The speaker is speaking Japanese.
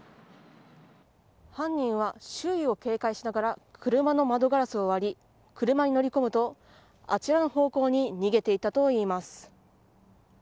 犯人は、周囲を警戒しながら車の窓ガラスを割り車に乗り込むとあちらの方向に逃げて行ったといいます。